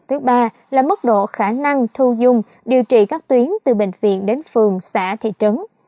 thứ ba là mức độ khả năng thu dung điều trị các tuyến từ bệnh viện đến phường xã thị trấn